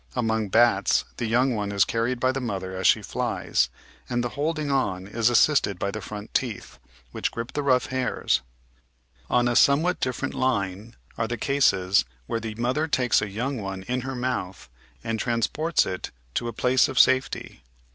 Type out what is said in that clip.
Among bats the yoimg one is carried by the mother as she flies, and the holding on is assisted by the front teeth, which grip the Natural Htetoiy 487 rough hairs. On a somewhat different line are the cases where the mother takes a young one in her mouth and transports it to a place of safety.